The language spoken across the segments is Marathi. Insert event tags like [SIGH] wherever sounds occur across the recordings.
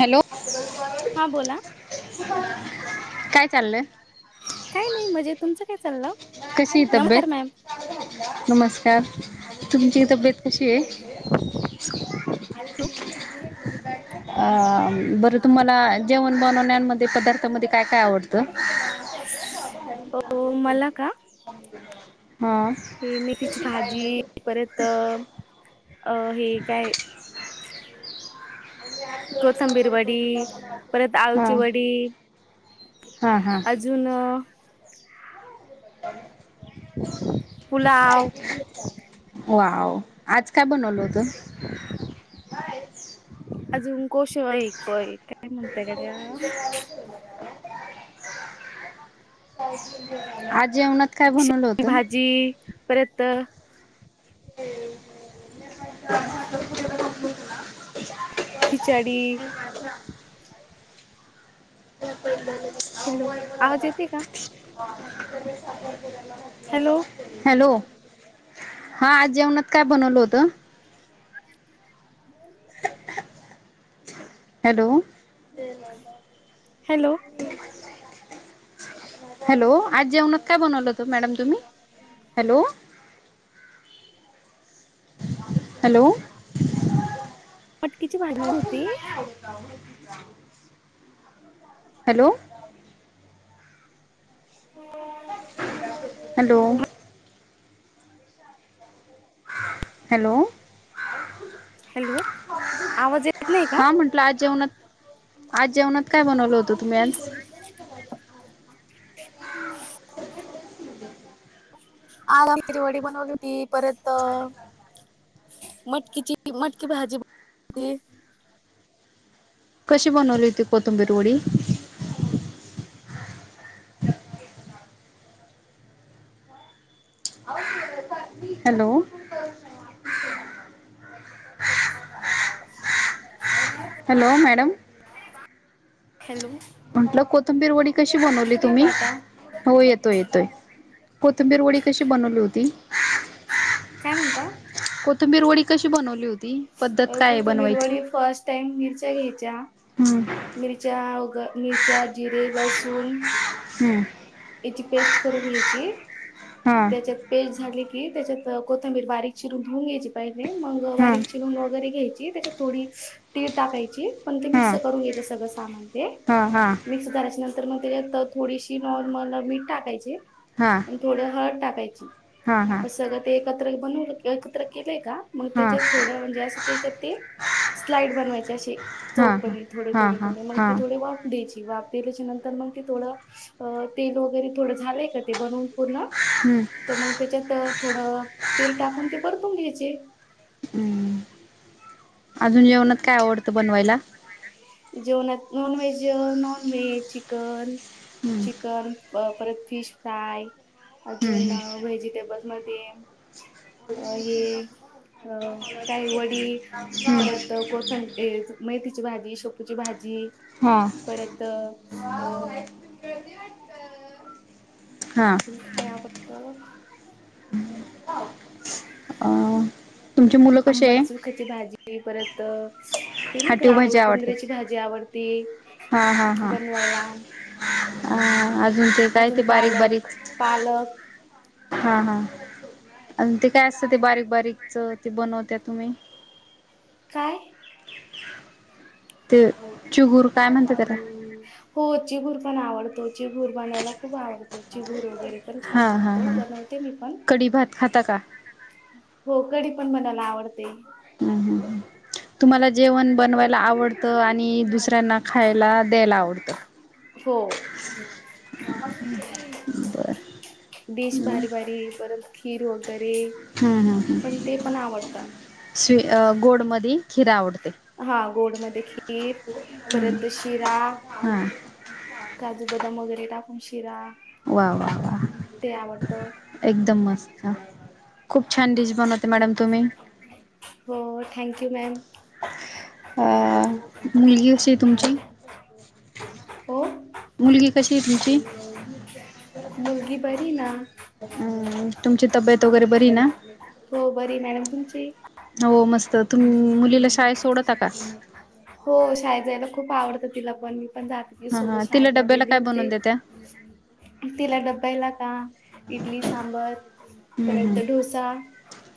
हॅलो हा बोला काय चाललंय? काही नाही म्हणजे तुमचं काय चाललं कशी ये नमस्कार मॅम तब्येत नमस्कार तुमची तब्येत कशी आहे त अ बरं तुम्हाला जेवण बनवण्यामध्ये पदार्थामध्ये काय काय आवडतं हम ह मला का हा हे मेथीची कशी भाजी परत अ हे काय कोथंबीर वडी परत हा आळूची वडी हा हा अजून पुलाव वाव. आज काय बनवल होतं अजून कोश ऐक काय म्हणत्या गड्या, आज जेवणात, काय बनवलं होतं भाजी परत [UNINTELLIGIBLE] हम्म हा खिचडी हो हॅलो आवाज येतय का? हॅलो हॅलो हा आज जेवणात काय बनवलं होतं हॅलो हॅलो हॅलो आज जेवणात काय बनवलं होत मॅडम तुम्ही हॅलो हॅलो मटकी ची भाजी होती हॅलो हॅलो हॅलो हॅलो आवाज येत नाही का हा म्हटलं आज जेवणात आज जेवणात काय बनवल होतं तुम्ही आज? हो [INAUDIBLE] आज आळवडी बनवली होती परत मटकीची मटकी भाजी कशी बनवली होती कोथंबीर वाडी? Hello [INAUDIBLE] hello madam. हॅलो म्हटलं कोथंबीर वडी कशी बनवली ठीक तुम्ही? का आता हो येतोय येतोय. कोथिंबीर वडी कशी बनवली होती? काय म्हणता कोथिंबीर वडी. कशी बनवली होती? पद्धत काय आहे कोथिंबीर बनवायची वडी फर्स्ट टाईम मीच घ्यायच्या हम्म मिरच्या, मिरच्या, जिरे, लसूण हम्म याची पेस्ट करून घ्यायची हा त्याच्यात पेस्ट झाली त्याच्यात कोथंबीर बारीक चिरून धुऊन घ्यायची पहिले मग हा बारीक चिरून वगैरे घ्यायची. त्याच्यात थोडी तीळ टाकायची मग ते मिक्स हा करुन घ्यायचं सगळ सामान ते हा हा मिक्स झाल्याच्यानंतर मग त्याच्यात थोडीशी मग मला मीठ टाकाची हा थोड हळद हा हा हा टाकायचे हा सगळ ते एकतर बनवून एकत्र क केले का. मग त्याच्यात थोड म्हणजे अस त्याच्यात ते स्लाइड बनवायचे असे हा चौकनी थोडे हा हा थोडे मग हा ते थोडे वाफू द्यायचे वाफ दिल्याच्या नंतर मग ते थोडं तेल वगैरे थोडं झालंय का ते बनऊन? पूर्ण हम्म तर मग त्याच्यात थोडं तेल टाकून ते परतून घ्यायचे हम्म अजून जेवणात काय आवडतं बनवायला? जेवणात non veg non veg chicken hmm chicken परत फिश फ्राय अजून हम्म व्हेजिटेबल मध्ये अ हे अ काही वडी हम्म परत कोथबीर ये मेथीची भाजी, शेपूची भाजी हा परत अ सं अ हा अजून काय आवडत? अ तुमची मुलं कशी आंबट आहे? चूख्याची भाजी परत ती नाही एक हाटीव लाान भाजी आवडते. कुंद्र्याची भाजी आवडती हा हा हा. बनवायला अ अजून ते काय अजून ते बारीक पालक बारीक पालक हा हा. आणि ते काय असतं ते बारीक बारीकच ते बनवत्या तुम्ही? काय? ते चुगूर काय म्हणत्यात त्याला? हो चिगूर पण आवडतो चिगूर बनवायला खूप आवडतो चिगूर वगैरे हा छान हा लागतो हा. बनवते मी पण, कडी भात खाता का? हो कडी पण बनवते. आवडते. तुम्हाला जेवण बनवायला आवडत आणि दुसऱ त्यांना खायला द्यायला आवडत. हो डिश भारी भारी परत खीर वगैरे हम्म हम् ह् पण ते पण आवडतं स् गोड मधी खिर आवडत. हा गोडमध्ये खीर परत शिरा हा. काजू बदाम वगैरे टाकून शिरा वा वा वा ते आवडतं एकदम मस्त. ह खूप छान डिश बनवते मॅडम तुम्ही हो थँक यू मॅम. अ मुलगी कशी आहे तुमची? हो. मुलगी कशी आहे तुमची? मुलगी बरी ना. अ तुमची तब्येत वगैरे बरी ना? हो बरी मॅडम. तुमची? तर तुम्ही मुलीला शाळेत सोडता का? हो शाळेत जायला खूप आवडतं तिला पण. पण जाती हा सोबत हा तिला डब्याला शाळेमध्ये काय लिवते. बनवून देत्या तिला डब्याला का? इडली, सांबर. हम्म परत हम्म डोसा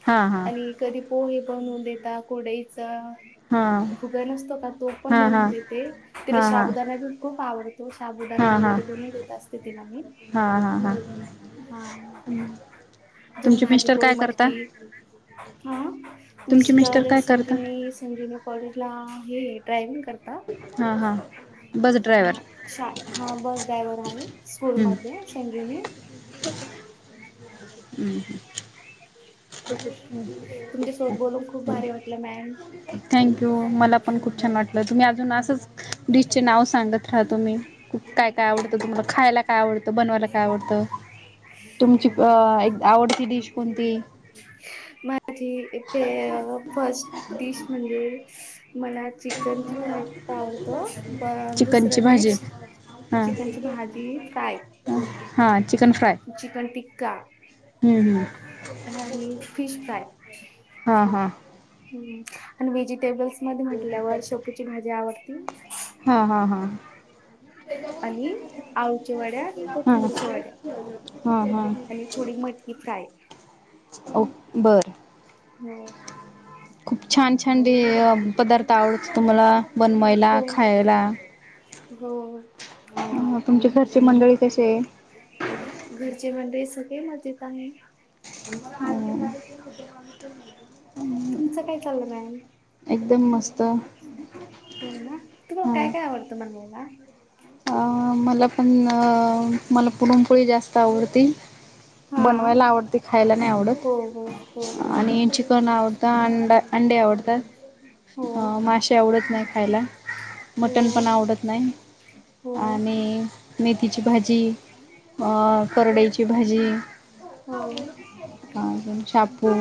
हा हा आणि कधी पोहे बनून देता कुरडईचा हा भुगा न तो पण हा बनून हा देते, तिला हा हा हा शाबुदाणा खूप आवड तो साबुदाणा हा वगैरे बनून देत असते तिला मी. हा हा हा हा अजुन तुमचे मिस्टर भाजीपोळी काय करता मटकी. हा तुमचे मिस्टर काय करता संजीवनी संजीवनी कॉलेजला आहे ड्रायविंग करता हा हा. बस ड्रायव्हर हा हा बस ड्रायव्हर आहे स्कूल हम्म मध्ये संजीवनी हम्म हम. तुमच्या सोबत बोलून खूप हम्. भारी वाटलं मॅम थँक यू. मला पण खुप छान वाट तुम्ही अजून असंच डिश चे नावं सांगत राह तुम्ही. काय काय आवडतं तुम्हाला? खायला काय आव डतं? बनवायला काय आवडतं? तुमची अ एक आवडती डिश कोणती? माझी पे फस्ट डीश म्हणजे मला चिकनची फ्राय खूप आवडतो. पण दुसरं नेक्स्ट ह. चिकनची भाजी फ्राय हा चिकन फ्राय. चिकन टिक्का हम्म. आणि फिश फ्राय् हां हां आणि वेजिटेबल्स म म्हंटल्यावर शपूची भाजी आवडती. हा हा हा. आणि आळूच्या वड्या आणि [UNINTELLIGIBLE] हं कोथिंबीरच्या हं. वड्या आणि थोडी मटकी फ्राय. ओ! बरं. हो. खूप छान छान डी पदार्थ आवडतं तुम्हाला बनवायला, हो खायला. हो. अ तुमचे घरचे मंडळी कशे ए? घरचे मंडळी सगळे मजेत आहे. [UNINTELLIGIBLE] हो. तुमचं काय चाललं मॅम? एकदम मस्त. हो ना. तुलाला काय हां काय आवडतं बनवायला? अ... मला पण अ.. मला पुरणपोळी जास्त आवडती. हा बनवायला आवडती. खायला नाई हो हो हो आवडत हो आणि चिकन आवडत. त अंड अंडे आवडतात. अ.. हो माशे आवडत नाही खायला. मटण हो पण आवडत नाही. हो आणि मेथीची भाजी अ.. करडईची भाजी हो अ.. शापू,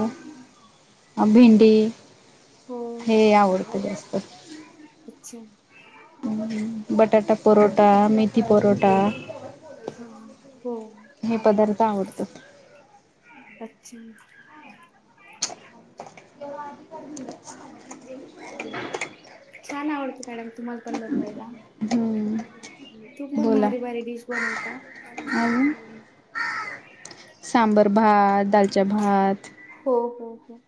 भिंडी हो हे आवडतं जास्त. अच्छा. बटाटा परोटा मेथी परोटा. हो. पदार्थ आवडतात. अच्छा. [UNINTELLIGIBLE] छान आवडतं मॅडम तुम्हाला पण बनवायला. हम्म तू पण बोला भारी भारी डिश बनवता. अजून सांबर भात, दालच्या भात. हो हो हो.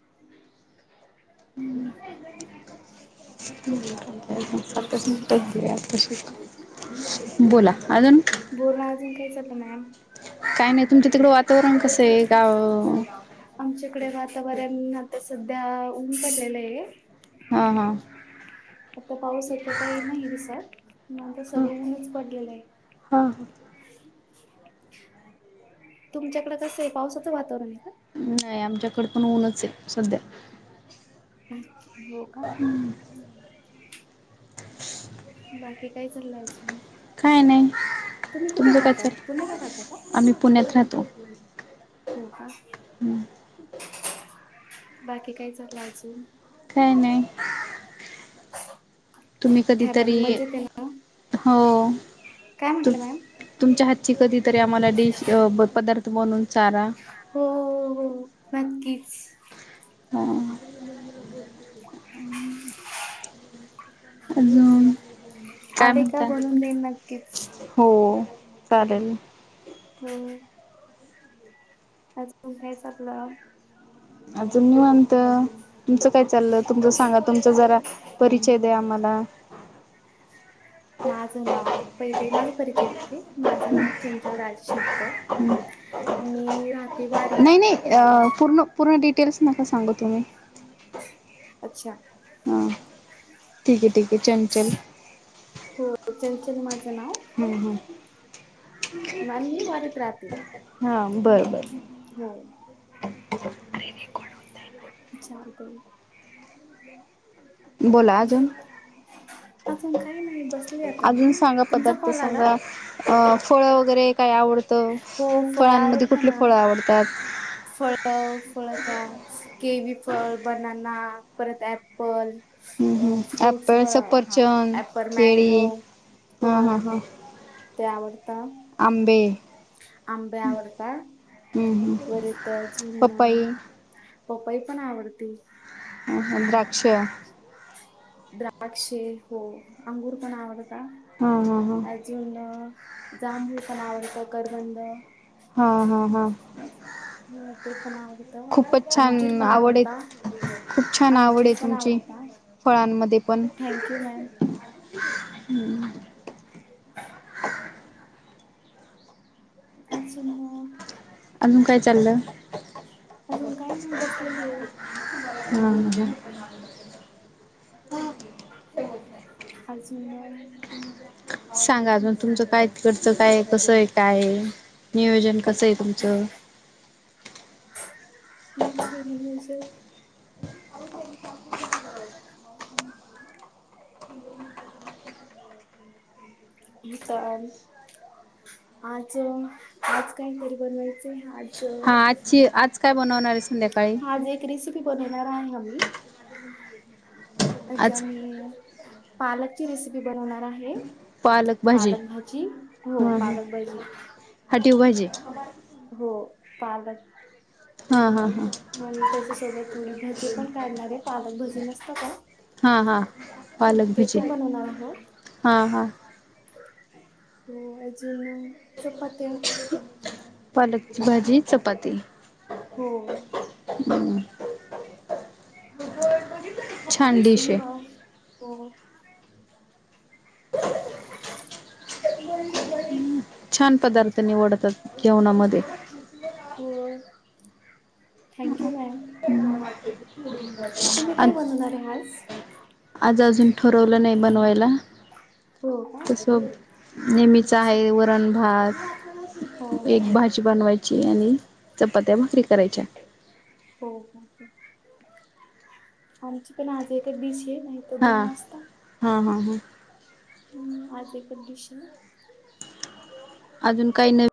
हम्. [UNINTELLIGIBLE] [UNINTELLIGIBLE] बोला. अजून? बोला, अजून काय चाललं मॅम? काय नाई. तुमच्या तिकडं वातावरण कसं ए? गाव आमच्याकडे वातावरण आता सध्या ऊन पडलेलं ए. हा हा. आता पाऊस इथं काई नाही तसा. सगळं ऊनच पडलेलं ए. ह! तुमच्याकडं कसं ए? पावसाचं वातावरण ए? नाई. आमच्याकड पण ऊनच ए, सध्या. हो का? [UNINTELLIGIBLE] बाकी काय चाललं अजून? काय नाई. तुम्ही कुठे तुमचं काय राहता? चालू? पुण्याला राहता का? आम्ही पुण्यात राहतो. हो का. बाकी काय चाललं अजून. काही नाही. [INAUDIBLE] तुम्ही फॅमिली कधीतरी मजेत आहे ना? हो काय त म्हटलं मॅम? तुमच्या हातची कधीतरी आम्हाला डिश पदार्थ बनवून चारा हो हो नक्कीच. हा [INAUDIBLE] अजून काय आले का बनवून म्हणतात. देईन नक्कीच. हो. चालेल. हम्म अजून काय चालल. अजून निवांत. तुमचं काय चाललं. तुमच सांगा. तुमचा जरा परिचय द्या. आम्हाला. माझं नाव, पहिलं माझ परिचय देते. माझं नाव चंचल राज शिरकर. हम्म - मी राह नाही नाही पूर्ण पूर्ण डिटेल्स नका सांगु तुम्ही. अच्छा. हा ठीक आहे. ठीक आहे. चंचल. हो चंचल माझं नाव. हम्म हम्म आणि मी वारीत राहते हा बर बर. हो. अरे रेकॉर्ड होतय. चालतय. बोला अजून. अजून काही नाही बसले आता अजून मी सांगा. तुमचा पदार्थ कॉल आला सांगा. फळं वगैरे काय आवडतं. हो फळ फळांमध्ये आवडतं कुठले ना फळं आवडतात. फळ फळ का, केवी फळ, बनना परत ऍप्पल. हम्म अ हम्म फ्रूट्स ऍपल म हा सफरचंद अप्पल, मँगो. केळी हा हा हो हा ते आवडतात. आंबे आंबे आवडता. हम्म हम्म परत अजून पपई पपई पण आवडती. ह ह द्राक्ष द्राक्ष हो. अंगूर पण आवडता. हा हा अजून जांबूळ पण आवडतं. करवंद. हा हा हा ह ते पण आवडत. खूपच अंजीर छान पण आवड आहे आवडता. खूप छान आवड अंजीर आहे पण तुमची. आवडता फळांमध्ये पण. थँक्यू मॅम हम्म अजुन अजून काय चालल. अजून काही नाही बसलेली आहे ह ह अजून सांगा अजुन. तुमचं काय तिकडचं काय कसं आहे. काय नियोजन कस आहे तुमचं. [UNINTELLIGIBLE] [UNINTELLIGIBLE] आज आज काही तरी बनवायचंय. आ हा आजची आज काय बनवणार आहे संध्याकाळी आज एक रेसिपी बनवणार आहे आम्ही आज आम्ही पालकची रेसिपी बनवणार आहे पालक भाजी पालकभजी हो पालकभजी हाटीव भाजी हो पाव हा हा हा आणि त्याच्यासोबत थोडी भजी पण काढणारे पालक भजी नसत का हा हा पालक ते भजी पण बनवणार आहोत हा हा हो अजून चपात्या पालकची भाजी चपाती हो हम्म आजूना हो हम् छान पदार्थ निवडतात जेवणामध्ये हो थँक यू मॅम तुम्ही काय बनवणार आहे आज? आज अजून ठरवलं नाही बनवायला हो का तस नेहमीच अच्छा आहे वरण भात हो हो एक भाजी बनवायची आणि चपात्या भाकरी करायच्या हो हो आमची पण आज एक डीश ये हा हा हा हा हम् आज एक कंडिशन अजून काही नवीन